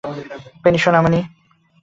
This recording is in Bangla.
পেনি, সোনামণি।